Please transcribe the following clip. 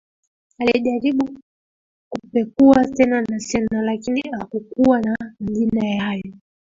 Alijaribu kupekua tena na tena lakini hakukuwa na majina hayo